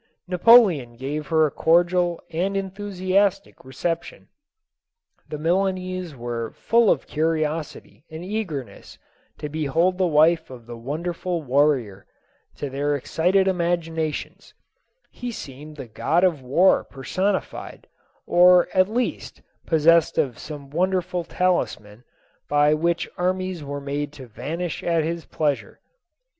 Napoleon gave her a cordial and enthusiastic recep tion. The Milanese were full of curiosity and eagerness to behold the wife of the wonderful warrior ; to their excited imaginations, he seemed the god of war person ified, or at least possessed of some wonderful talisman by which armies were made to vanish at his pleasure.